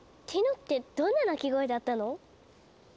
ティノってどんな鳴き声だったの？